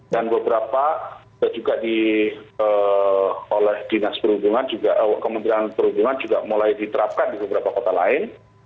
dan beberapa juga oleh dinas perhubungan juga kementerian perhubungan juga mulai diterapkan di beberapa kota lain